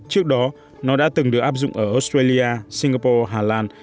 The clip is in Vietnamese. trước đó nó đã từng được áp dụng ở australia singapore hà lan